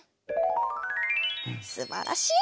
すばらしい！